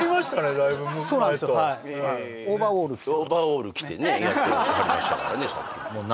だいぶ前とオーバーオール着てねやってはりましたからね